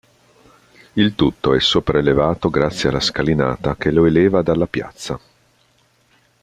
Il tutto è sopraelevato grazie alla scalinata che lo eleva dalla piazza.